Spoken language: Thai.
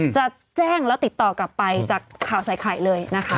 จะแจ้งแล้วติดต่อกลับไปจากข่าวใส่ไข่เลยนะคะ